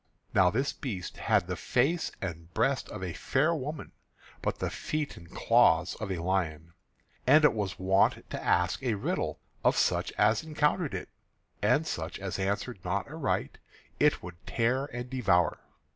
Now this beast had the face and breast of a fair woman, but the feet and claws of a lion; and it was wont to ask a riddle of such as encountered it; and such as answered not aright it would tear and devour.